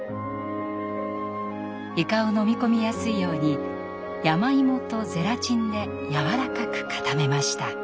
イカを飲み込みやすいように山芋とゼラチンでやわらかく固めました。